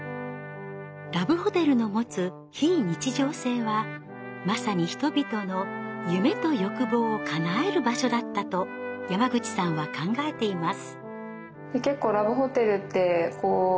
ラブホテルの持つ非日常性はまさに人々の夢と欲望をかなえる場所だったと山口さんは考えています。